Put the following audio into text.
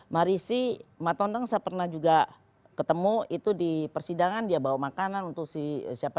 marisi matonteng saya pernah juga ketemu itu di persidangan dia bawa makanan untuk si siapa